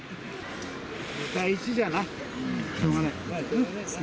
２対１じゃな、しょうがない。